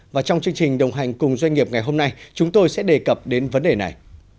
và trong chương trình đồng hành cùng doanh nghiệp ngày hôm nay chúng tôi sẽ đề cập đến vấn đề này